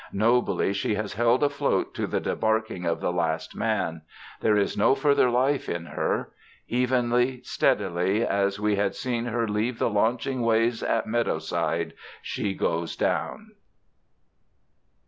Nobly she has held afloat to the debarking of the last man. There is no further life in her. Evenly, steadily, as we had seen her leave the launching ways at Meadowside, she goes down.